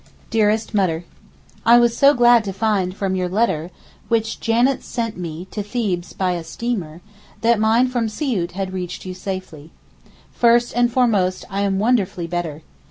DEAREST MUTTER, I was so glad to find from your letter (which Janet sent me to Thebes by a steamer) that mine from Siout had reached you safely. First and foremost I am wonderfully better.